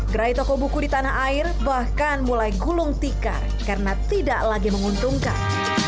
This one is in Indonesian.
gerai toko buku di tanah air bahkan mulai gulung tikar karena tidak lagi menguntungkan